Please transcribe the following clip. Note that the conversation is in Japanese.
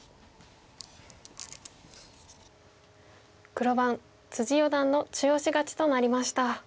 黒番四段の中押し勝ちとなりました。